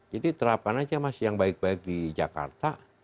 jadi terapkan aja mas yang baik baik di jakarta